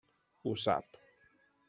Ho sap.